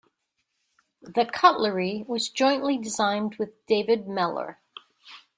The cutlery was jointly designed with David Mellor.